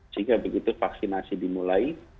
sehingga begitu vaksinasi dimulai